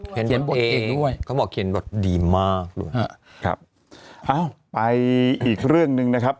เขียนบทเองด้วยเขาบอกเขียนบทดีมากด้วยฮะครับอ้าวไปอีกเรื่องหนึ่งนะครับ